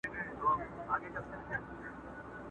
o خزانې په کنډوالو کي پيدا کېږي٫